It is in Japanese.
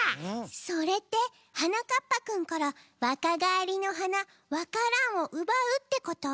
それってはなかっぱくんからわかがえりのはなわか蘭をうばうってこと？